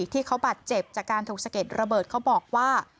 ที่เขาบาดเจ็บจากการถูกสะเก็ดระเบิดเขาบอกว่า